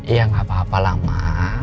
ya gak apa apa lama